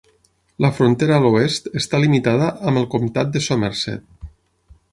La frontera a l'oest està limitada amb el comptat de Somerset.